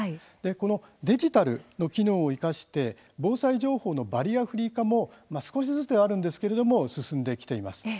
このデジタルの機能を生かして防災情報のバリアフリー化も少しずつではあるんですが進んできています。